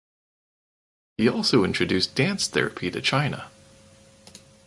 He also introduced dance therapy to China.